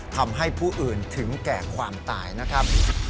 ทำให้ผู้อื่นถึงแก่ความตายนะครับ